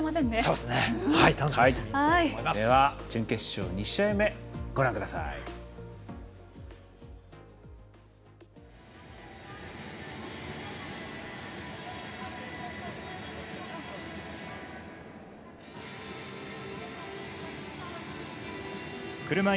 では準決勝２試合目ご覧ください。